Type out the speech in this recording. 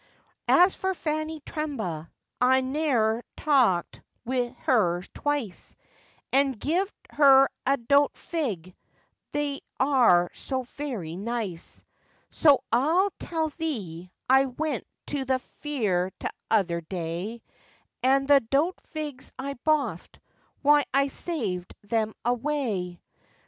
'As for Fanny Trembaa, I ne'er taalked wi' her twice, And gived her a doat fig, they are so very nice; So I'll tell thee, I went to the fear t'other day, And the doat figs I boft, why I saved them away.